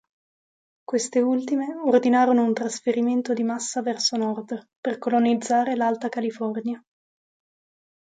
Queste ultime ordinarono un trasferimento di massa verso nord per colonizzare l'Alta California.